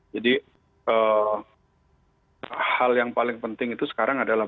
jadi hal yang paling penting itu sekarang adalah